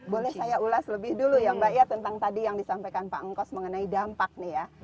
boleh saya ulas lebih dulu ya mbak ya tentang tadi yang disampaikan pak engkos mengenai dampak nih ya